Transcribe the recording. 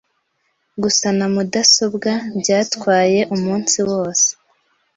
Gusana mudasobwa byatwaye umunsi wose.